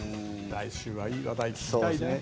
来週はいい話題を聞きたいね。